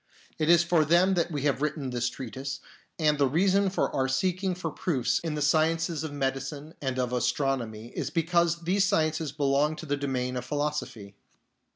It is for them that we have written this treatise, and the reason for our seeking for proofs HALF AND WHOLE BELIEF 57 in the sciences of medicine and of astronomy is because these sciences belong to the domain of philosophy.